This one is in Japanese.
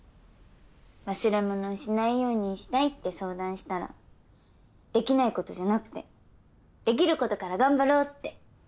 忘れ物をしないようにしたいって相談したらできないことじゃなくてできることから頑張ろうって。